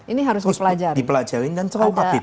ini harus dipelajari dipelajari dan terlalu